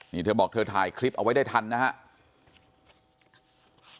นี่เธอบอกเธอถ่ายคลิปเอาไว้ได้ทันนะครับ